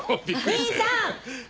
兄さん！